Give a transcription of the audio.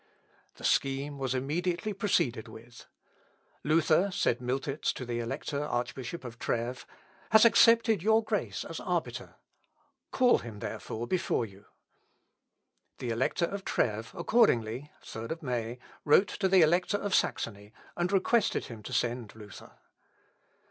The scheme was immediately proceeded with. "Luther," said Miltitz to the Elector archbishop of Trèves, "has accepted your Grace as arbiter; call him therefore before you." The Elector of Trèves accordingly (3rd May) wrote to the Elector of Saxony, and requested him to send Luther.